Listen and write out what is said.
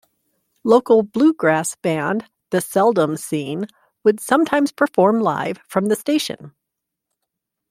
Local bluegrass band The Seldom Scene would sometimes perform live from the station.